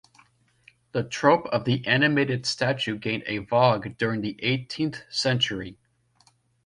The trope of the animated statue gained a vogue during the eighteenth century.